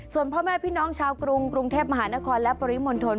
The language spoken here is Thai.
ส่วนพ่อแม่พี่น้องชาวกรุงกรุงเทพมหานครและปริมณฑล